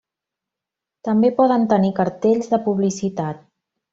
També poden tenir cartells de publicitat.